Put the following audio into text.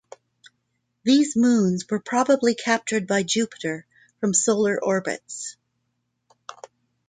These moons were probably captured by Jupiter from solar orbits.